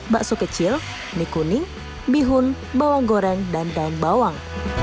bakso kecil mie kuning bihun bawang goreng dan daun bawang